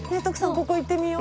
ここ行ってみよう。